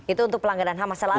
itu untuk pelanggaran ham masa lalu